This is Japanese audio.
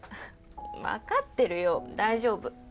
分かってるよ大丈夫。